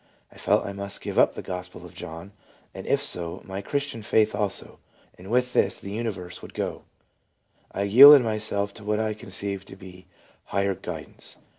I felt I must give up the Gos pel of John and, if so, my Christian faith also; and with this the universe would go I yielded myself to what I conceived to be Higher Guidance.